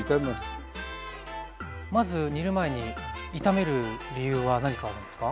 まず煮る前に炒める理由は何かあるんですか？